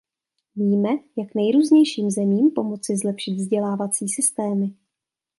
Víme, jak nejrůznějším zemím pomoci zlepšit vzdělávací systémy.